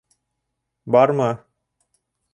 Бармы?